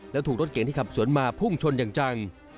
และถูกรถเก่งที่ขับสวนมาพุ่งชนอย่างจัง